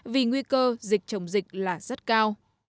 vì nguy cơ dịch chống dịch là rất cao